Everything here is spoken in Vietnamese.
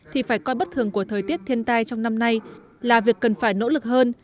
thì phải coi bất thường của thời tiết thiên tai trong năm nay là việc cần phải nỗ lực hơn